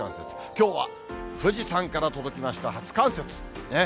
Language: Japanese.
きょうは、富士山から届きました、初冠雪ね。